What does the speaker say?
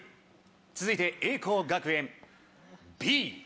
続いて栄光学園「Ｂ」。